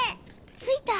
ついた！